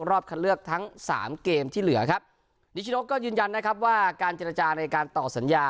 รอบคัดเลือกทั้งสามเกมที่เหลือครับนิชโนก็ยืนยันนะครับว่าการเจรจาในการต่อสัญญา